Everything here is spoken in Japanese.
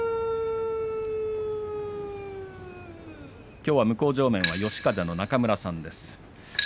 きょうは向正面嘉風の中村さんです。